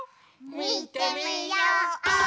みてみよう！